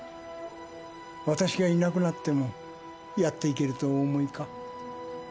わたしがいなくなってもやって行けるとお思いか。